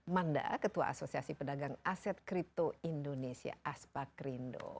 manda ketua asosiasi pedagang aset kripto indonesia aspak rindo